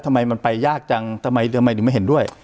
ทำไมมันไปยากจังทำไมเรือไม้ถึงไม่เห็นด้วย